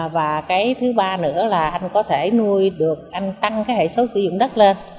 và cái thứ ba nữa là anh có thể nuôi được anh tăng cái hệ số sử dụng đất lên